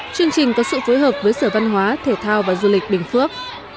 chương trình có sự phối hợp với sở văn hóa thể thao và du lịch bình phước